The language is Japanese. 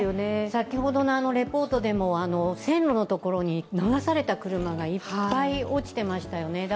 先ほどのレポートでも線路のところに流された車がいっぱい落ちてましたよね。